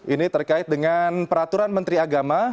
ini terkait dengan peraturan menteri agama